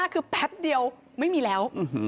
คือแป๊บเดียวไม่มีแล้ว